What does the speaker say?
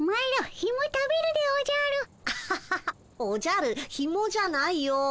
おじゃるヒモじゃないよ。